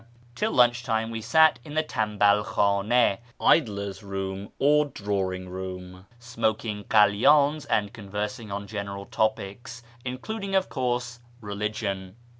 Till lunch time we sat in the tanhal khdnS (" idler's room" or drawing room), smoking kcdydns and conversing on general topics, including, of course, religion.